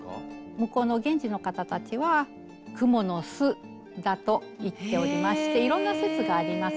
向こうの現地の方たちは「クモの巣」だと言っておりましていろんな説があります。